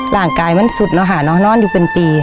ร่างกายมันสุดแล้วค่ะน้องนอนอยู่เป็นปี